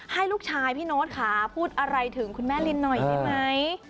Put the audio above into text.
ให้ลูกชายพี่โน๊ตค่ะพูดอะไรถึงคุณแม่ลินหน่อยได้ไหม